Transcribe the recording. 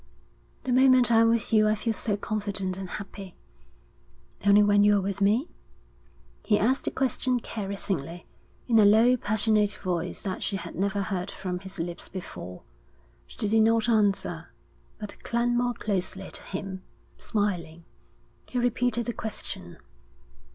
'The moment I'm with you I feel so confident and happy.' 'Only when you're with me?' He asked the question caressingly, in a low passionate voice that she had never heard from his lips before. She did not answer, but clung more closely to him. Smiling, he repeated the question.